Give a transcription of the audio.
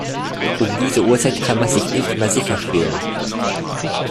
Um diese Uhrzeit kann man sich nicht mehr sicher fühlen.